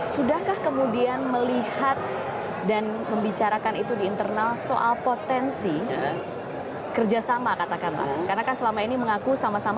sudah dibicarakan soal itu